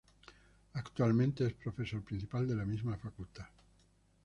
Actualmente es profesor principal de la misma facultad.